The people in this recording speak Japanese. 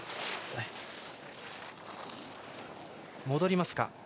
戻りますか。